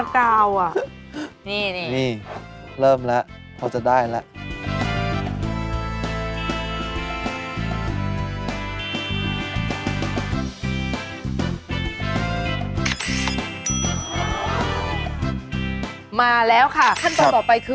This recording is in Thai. คือถ้าตวงไว้นะครับ